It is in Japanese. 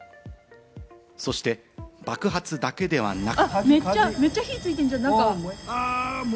そして爆発だけではなく。